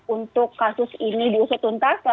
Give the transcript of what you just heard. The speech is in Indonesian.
untuk kasus ini diusut tuntas